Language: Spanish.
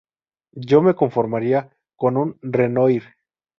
Yo me conformaría con un Renoir".